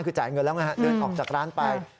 คือจ่ายเงินแล้วไงฮะเดินออกจากร้านไป